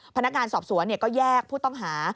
พนักงานสอบสวนก็แยกผู้ต้องหา